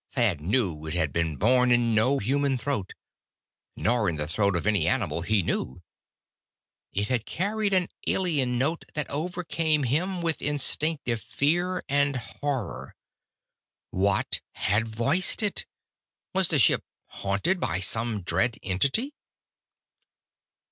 Thad knew it had been born in no human throat. Nor in the throat of any animal he knew. It had carried an alien note that overcame him with instinctive fear and horror. What had voiced it? Was the ship haunted by some dread entity?